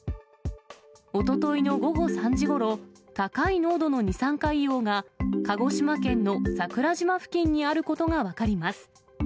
おとといの午後３時ごろ、高い濃度の二酸化硫黄が、鹿児島県の桜島付近にあることが分かります。